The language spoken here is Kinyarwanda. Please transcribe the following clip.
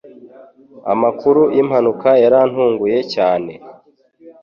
Amakuru yimpanuka yarantunguye cyane.